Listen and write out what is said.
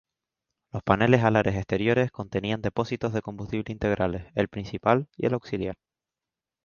Los paneles alares exteriores contenían depósitos de combustible integrales, el principal y el auxiliar.